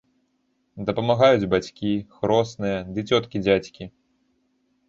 Дапамагаюць бацькі, хросная, ды цёткі-дзядзькі.